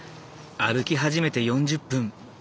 歩き始めて４０分。